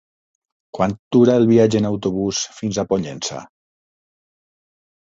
Quant dura el viatge en autobús fins a Pollença?